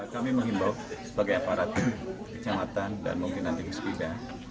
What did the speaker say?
kami mengimbau sebagai aparat kecamatan dan mungkin nanti sepeda